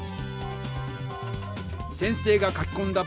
先生が書きこんだ×